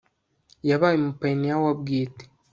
yabaye umupayiniya wa bwite